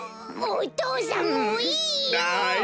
お父さんもういいよ！